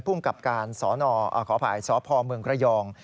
พุ่งกับการสพเมืองกระยอง